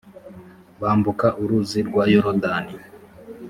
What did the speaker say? bambuka uruzi rwa yorodani